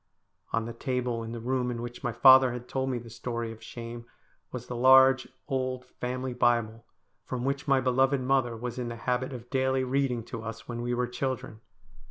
On the table in the room in which my father had told me the story of shame was the large old family Bible, from which my beloved mother was in the habit of daily reading to us when we were children.